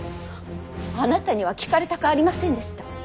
あなたには聞かれたくありませんでした。